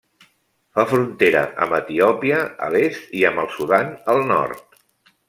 Fa frontera amb Etiòpia a l'est i amb el Sudan al nord.